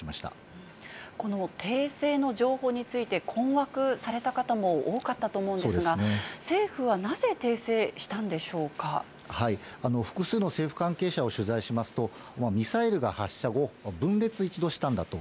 この訂正の情報について、困惑された方も多かったと思うんですが、複数の政府関係者を取材しますと、ミサイルが発射後、分裂、一度したんだと。